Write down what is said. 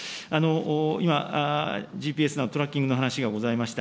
今、ＧＰＳ、トラッキングの話がございました。